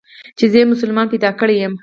چې زه يې مسلمان پيدا کړى يم.